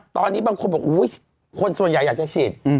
ตอนนี้บางคนบอกคนส่วนใหญ่อยากจะฉีด